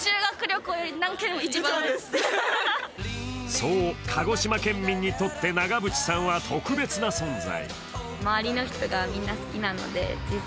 そう、鹿児島県民にとって長渕さんは特別な存在。